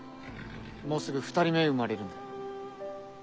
もうすぐ２人目生まれるんで。